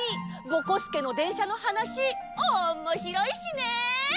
ぼこすけのでんしゃのはなしおもしろいしね。